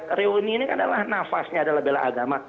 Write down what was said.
reuni ini kan adalah nafasnya adalah bela agama